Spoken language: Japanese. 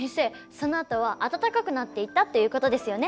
そのあとは暖かくなっていったっていうことですよね。